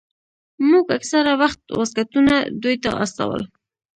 موږ اکثره وخت واسکټونه دوى ته استول.